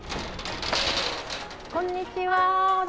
こんにちは。